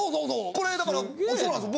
これだからそうなんです。